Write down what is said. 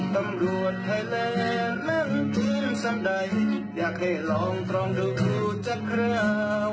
ตำรวจไทยแหลงมันทิ้งสำใดอยากให้ลองทรองดูจัดเขล้า